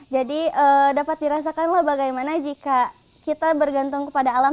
jadi dapat dirasakan lah bagaimana jika kita bergantung kepada alam